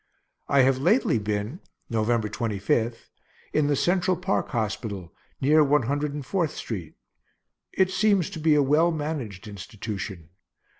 I have lately been (November 25) in the Central park hospital, near One Hundred and Fourth street; it seems to be a well managed institution.